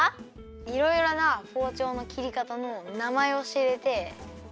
いろいろなほうちょうの切りかたのなまえをしれてうれしかった。